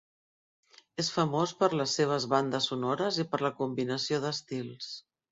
És famós per les seves bandes sonores i per la combinació d'estils.